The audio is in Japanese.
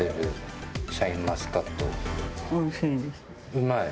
うまい？